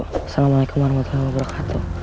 assalamualaikum warahmatullahi wabarakatuh